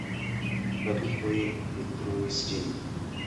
La turkoj detruis ĝin.